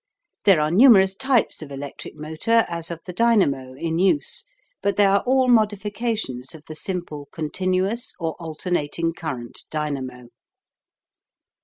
There are numerous types of electric motor as of the dynamo in use, but they are all modifications of the simple continuous or alternating current dynamo.